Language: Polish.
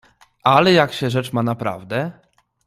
"Ale, jak się rzecz ma naprawdę?"